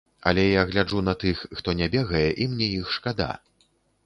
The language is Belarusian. Але я гляджу на тых, хто не бегае, і мне іх шкада.